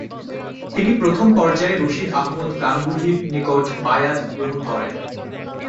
তিনি প্রথম পর্যায়ে রশিদ আহমদ গাঙ্গুহির নিকট বায়আত গ্রহণ করেন।